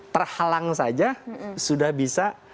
terhalang saja sudah bisa